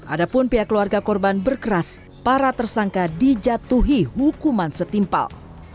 ada pun pihak keluarga korban berkeras para tersangka dijatuhi hukuman setimpal